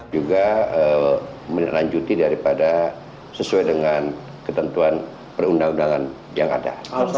juga menanjuti daripada sesuai dengan ketentuan perundangan perundangan yang ada